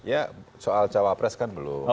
ya soal cawapres kan belum